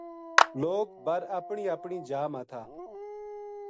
لوک بر اپنی اپنی جا ما تھا